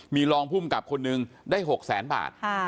มีรองพุ่มกับคนหนึ่งได้๖๐๐๐๐๐บาท